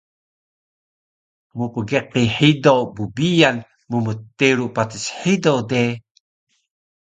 Mpgeqi hido bbiyan mmteru patis hido de